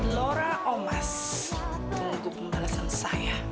laura omas tunggu pembahasan saya